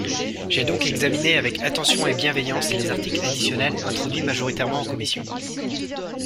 J’ai donc examiné avec attention et bienveillance les articles additionnels introduits majoritairement en commission.